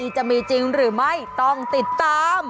จะมีจริงหรือไม่ต้องติดตาม